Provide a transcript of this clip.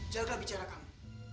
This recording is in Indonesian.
jadilah bicara kamu